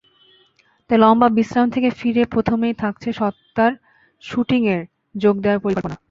তাই লম্বা বিশ্রাম থেকে ফিরে প্রথমেই থাকছে সত্তার শুটিংয়ে যোগ দেওয়ার পরিকল্পনা।